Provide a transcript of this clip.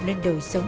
lên đời sống